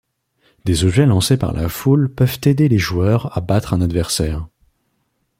Des objets lancé par la foule peuvent aider les joueurs à battre un adversaire.